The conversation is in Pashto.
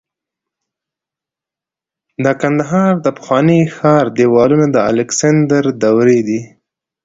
د کندهار د پخواني ښار دیوالونه د الکسندر دورې دي